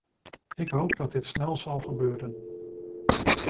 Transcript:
Ik hoop dat dit snel zal gebeuren.